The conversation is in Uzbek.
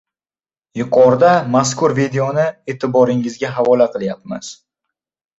Yuqorida mazkur videoni eʼtiboringizga havola qilyapmiz.